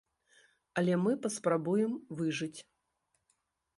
Але мы паспрабуем выжыць.